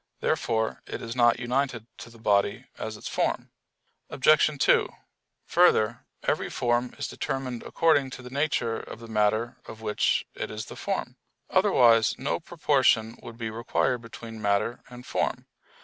Therefore it is not united to the body as its form. Obj. 2: Further, every form is determined according to the nature of the matter of which it is the form; otherwise no proportion would be required between matter and form.